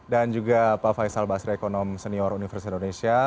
dan juga pak faisal basri ekonomi senior universitas indonesia